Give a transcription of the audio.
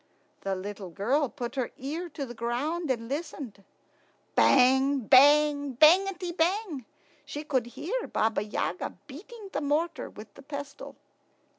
The little girl put her ear to the ground and listened. Bang, bang, bangety bang! She could hear Baba Yaga beating the mortar with the pestle.